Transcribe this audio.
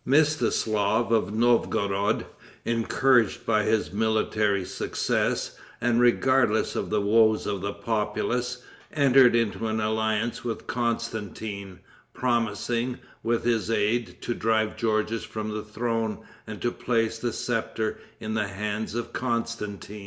Mstislaf of Novgorod, encouraged by his military success, and regardless of the woes of the populace, entered into an alliance with Constantin, promising, with his aid, to drive Georges from the throne, and to place the scepter in the hands of Constantin.